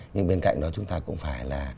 nhưng bên cạnh đó chúng ta cũng phải là